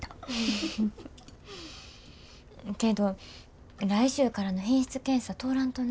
けど来週からの品質検査通らんとな。